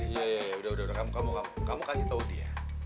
ya ya ya udah udah kamu kasih tahu dia